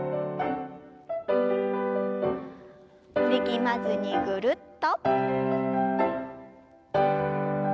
力まずにぐるっと。